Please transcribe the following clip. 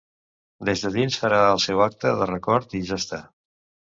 Des de dins farà el seu acte de record i ja està.